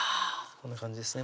こんな感じですね